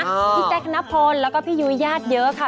พี่แจกนพลแล้วก็พี่ยูยาศเยอะค่ะ